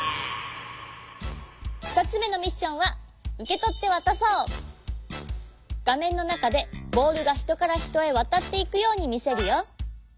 ふたつめのミッションは「うけとってわたそう」。がめんのなかでボールがひとからひとへわたっていくようにみせるよ。